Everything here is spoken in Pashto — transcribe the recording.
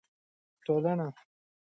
ټولنه د مالي پوهې له لارې وده کوي.